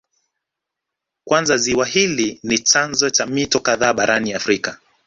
Kwanza ziwa hili ni chanzo cha mito kadhaa barani Afrika